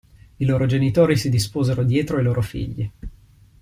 I loro genitori si disposero dietro i loro figli.